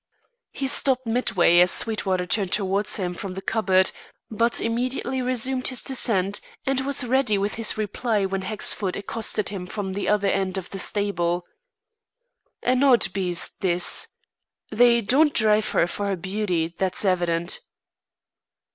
He stopped midway as Sweetwater turned towards him from the cupboard, but immediately resumed his descent and was ready with his reply when Hexford accosted him from the other end of the stable: "An odd beast, this. They don't drive her for her beauty, that's evident."